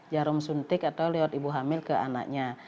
jarum suntik atau lewat ibu hamil ke anaknya